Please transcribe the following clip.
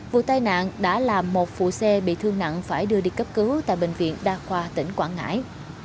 vụ tai nạn đã làm một phụ xe bị thương nặng phải đưa đi cấp cứu tại bệnh viện đa khoa tỉnh quảng ngãi